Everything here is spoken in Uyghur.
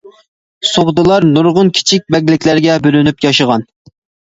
سوغدىلار نۇرغۇن كىچىك بەگلىكلەرگە بۆلۈنۈپ ياشىغان.